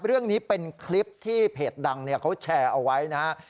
เรื่องนี้เป็นคลิปที่เพจดังเขาแชร์เอาไว้นะครับ